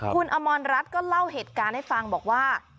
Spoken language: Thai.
คุณอมรรัฐก็เล่าเหตุการณ์ให้ฟังบอกว่า